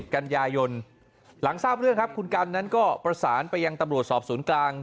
กันยายนหลังทราบเรื่องครับคุณกันนั้นก็ประสานไปยังตำรวจสอบสวนกลาง